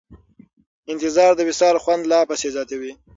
انتظار د وصال خوند لا پسې زیاتوي.